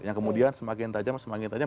yang kemudian semakin tajam semakin tajam